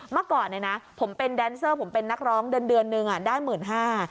เมื่อก่อนเนี่ยนะผมเป็นแดนเซอร์ผมเป็นนักร้องเดือนหนึ่งได้หมื่นห้า